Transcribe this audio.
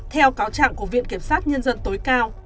theo cáo trạng của viện kiểm sát nhân dân tối cao